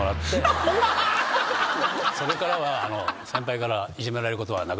それからは。